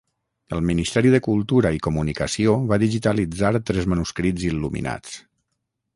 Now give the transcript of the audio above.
El Ministeri de Cultura i Comunicació va digitalitzar tres manuscrits il·luminats.